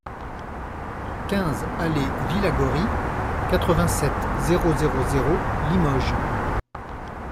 quinze alléE Villagory, quatre-vingt-sept, zéro zéro zéro, Limoges